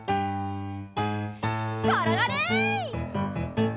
ころがれ！